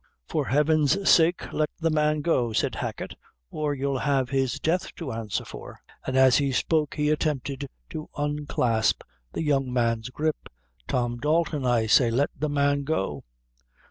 "For Heaven's sake, let the man go," said Hacket, "or you'll have his death to answer for " and as he spoke he attempted to unclasp the young man's grip; "Tom Dalton, I say, let the man go."